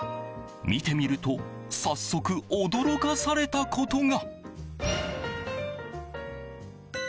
見てみると早速、驚かされたことが。